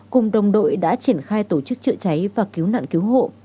cùng đồng đội đã triển khai tổ chức chữa cháy và cứu nạn cứu hộ